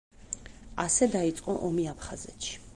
ასე დაიწყო ომი აფხაზეთში.